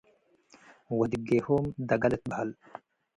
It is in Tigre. ወድጌሆም ደጋ ልትበሀል ።